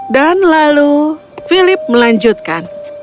dan lalu philip melanjutkan